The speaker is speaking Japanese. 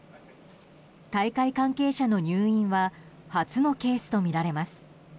大会関係者の入院は初のケースとみられます。